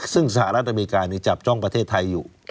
ซึ่งสหรัฐอเมริกาจับจ้องประเทศไทยอยู่